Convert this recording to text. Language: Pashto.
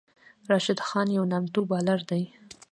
راشد خان یو نامتو بالر دئ.